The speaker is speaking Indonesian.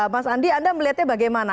mas andi anda melihatnya bagaimana